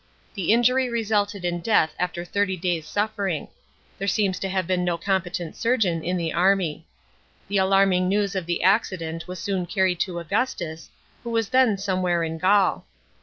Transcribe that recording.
The injury resulted in death after thirty days' suffering; there seems to have been no competent surgeon in the army. The alarming news of the accident was soon carried to Augustus, who was then somewhere in Gaul.